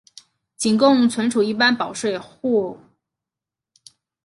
仅供存储一般保税货物。